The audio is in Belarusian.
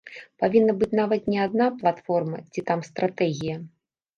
Павінна быць нават не адна платформа ці там стратэгія.